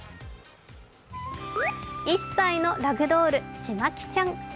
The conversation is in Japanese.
１歳のラグドール、ちまきちゃん。